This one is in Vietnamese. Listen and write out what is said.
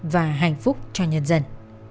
và hạnh phúc cho nhân dân